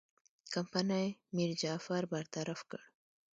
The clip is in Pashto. کمپنۍ میرجعفر برطرف کړ.